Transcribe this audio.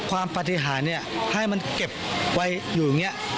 ปฏิหารให้มันเก็บไว้อยู่อย่างนี้